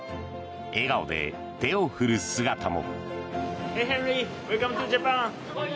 笑顔で手を振る姿も。